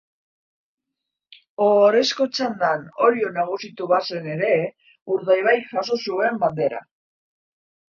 Ohorezko txandan Orio nagusitu bazen ere Urdaibaik jaso zuen Bandera.